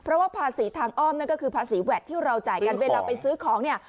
เพราะว่าภาษีทางอ้อมนั่นก็คือภาษีแวดที่เราจ่ายกันเวลาไปซื้อของเนี่ย